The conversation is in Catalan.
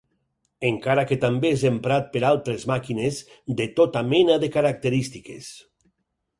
Encara que també és emprat per altres màquines de tota mena de característiques.